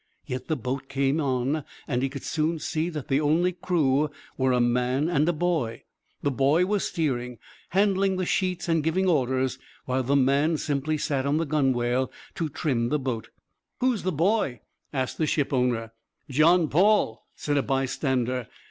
Yet the boat came on, and he could soon see that the only crew were a man and a boy. The boy was steering, handling the sheets and giving orders, while the man simply sat on the gunwale to trim the boat. "Who's the boy?" asked the ship owner. "John Paul," said a bystander.